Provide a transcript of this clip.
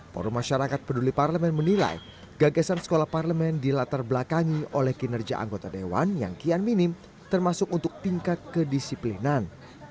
forum masyarakat peduli parlemen menilai gagasan sekolah parlemen dilatar belakangi oleh kinerja anggota dewan yang kian minim termasuk untuk tingkat kedisiplinan